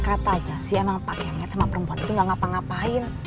kata aja sih emang pak kemat sama perempuan itu gak ngapa ngapain